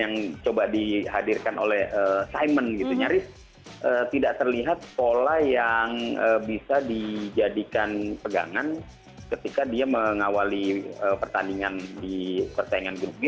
yang coba dihadirkan oleh simon gitu nyaris tidak terlihat pola yang bisa dijadikan pegangan ketika dia mengawali pertandingan di pertandingan grup g